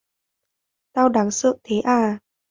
Tao đáng sợ thế à